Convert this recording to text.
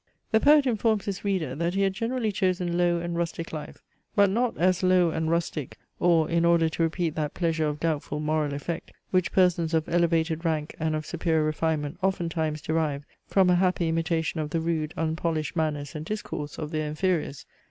The poet informs his reader, that he had generally chosen low and rustic life; but not as low and rustic, or in order to repeat that pleasure of doubtful moral effect, which persons of elevated rank and of superior refinement oftentimes derive from a happy imitation of the rude unpolished manners and discourse of their inferiors.